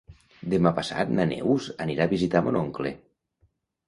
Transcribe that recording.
Demà passat na Neus anirà a visitar mon oncle.